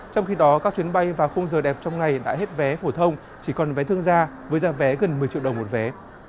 trong khi đó các chuyến bay vào khung giờ đẹp trong ngày đã hết vé phổ thông chỉ còn vé thương gia với giá vé gần một mươi triệu đồng một vé